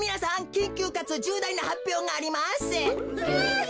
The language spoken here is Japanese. きんきゅうかつじゅうだいなはっぴょうがあります！